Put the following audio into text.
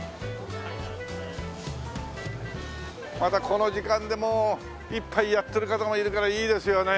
またこの時間でもう一杯やってる方もいるからいいですよね。